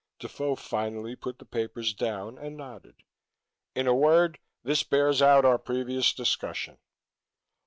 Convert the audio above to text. Defoe finally put the papers down and nodded. "In a word, this bears out our previous discussion."